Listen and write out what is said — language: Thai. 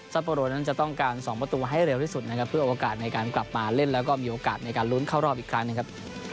โปโรนั้นจะต้องการ๒ประตูให้เร็วที่สุดนะครับเพื่อโอกาสในการกลับมาเล่นแล้วก็มีโอกาสในการลุ้นเข้ารอบอีกครั้งหนึ่งครับ